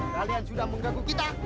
kalian sudah menggaguh kita